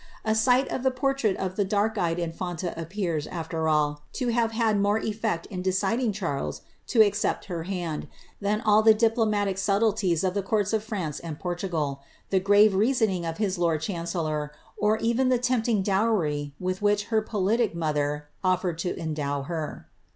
A siffht of the portiait of tlie dark eyed infanta appears, a(\er all, to have had more eftct in deciding Charles to accept her hand, than all the diplomatic snbtleciei of the courts of France and Portugal, the grave reasoning of his lonk chancellor, or even the tempting dowry with which her politic mocher ofiered to endow her.